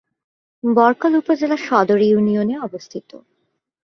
বরকল উপজেলা সদর এ ইউনিয়নে অবস্থিত।